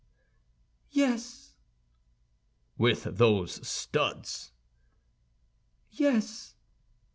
"Yes." "With those studs?" "Yes."